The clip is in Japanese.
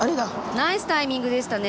ナイスタイミングでしたね。